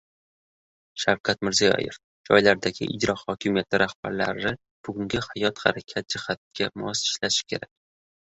Shavkat Mirziyoyev: Joylardagi ijro hokimiyati rahbarlari bugungi hayot, harakat, shiddatga mos ishlashi kerak